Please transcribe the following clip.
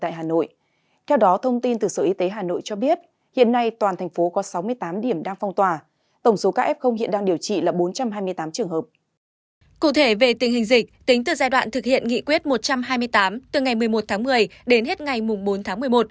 cụ thể về tình hình dịch tính từ giai đoạn thực hiện nghị quyết một trăm hai mươi tám từ ngày một mươi một tháng một mươi đến hết ngày bốn tháng một mươi một